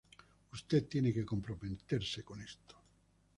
Usted tiene que comprometerse con esto.